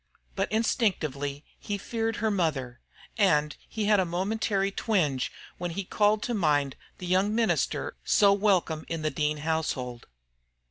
But instinctively he feared her mother; and he had a momentary twinge when he called to mind the young minister so welcome in the Dean household.